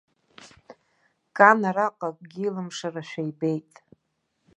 Кан араҟа акгьы илымшарашәа ибеит.